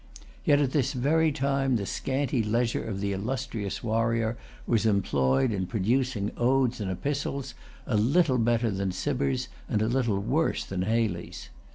Yet at this very time the scanty leisure of the illustrious warrior was employed in producing odes and epistles, a little better than Cibber's, and a little worse than Hayley's.